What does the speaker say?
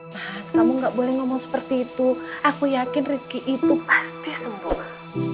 mas kamu gak boleh ngomong seperti itu aku yakin rezeki itu pasti sempurna